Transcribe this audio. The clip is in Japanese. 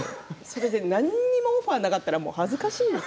何にもオファーがなかったら恥ずかしいです。